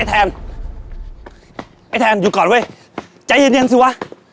แทนไอ้แทนอยู่ก่อนเว้ยใจเย็นเย็นสิวะ